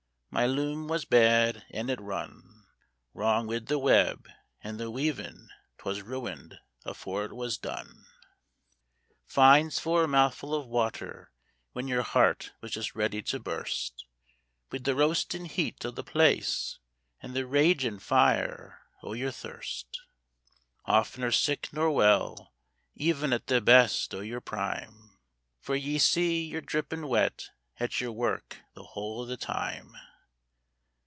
My loom was bad an' it run Wrong wid the web; an' the weavin', 'twas ruined afore it was done. 75 ;6 THE FACTORY GIRL Fines for a mouthful of water whin yer heart was just ready to burst Wid the roastin' heat o' the place, an' the ragin' fire o' yer thirst. Off'ner sick nor well, even at the best o' your prime ; For, ye see, yer drippin' wet at yer work the whole o' the time.